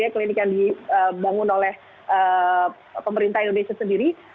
klinik yang dibangun oleh pemerintah indonesia sendiri